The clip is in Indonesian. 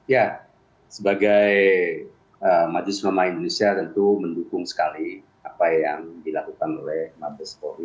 ya sebagai majelis mama indonesia tentu mendukung sekali apa yang dilakukan oleh mabes polri